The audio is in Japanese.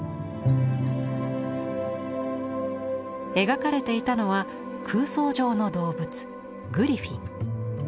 描かれていたのは空想上の動物グリフィン。